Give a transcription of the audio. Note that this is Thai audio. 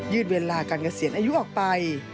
เวลาการเกษียณอายุออกไป